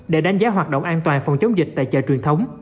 để đánh giá hoạt động an toàn phòng chống dịch tại chợ truyền thống